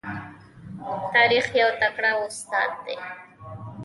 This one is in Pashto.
تاریخ یو تکړه استاد دی.